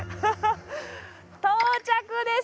到着です！